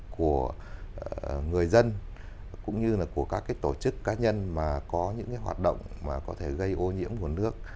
cũng như là của các cái tổ chức cá nhân mà có những cái hoạt động mà có thể gây ô nhiễm nguồn nước